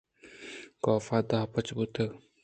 کاف دہ بج بوتگ